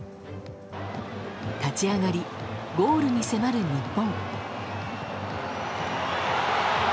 立ち上がり、ゴールに迫る日本。